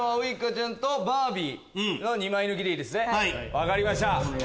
分かりました。